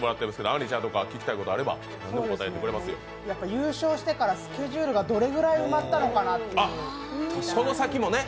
優勝してからスケジュールがどれぐらい埋まったのかな。